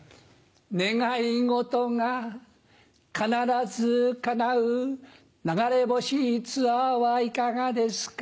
願い事が必ずかなう流れ星ツアーはいかがですか？